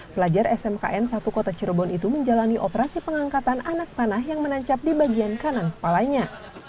pelajar smkn satu kota cirebon itu menjalani operasi pengangkatan anak panah yang menancap di bagian kanan kepalanya